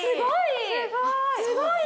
すごい！